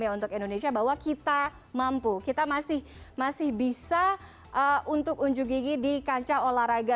untuk indonesia bahwa kita mampu kita masih bisa untuk unjuk gigi di kancah olahraga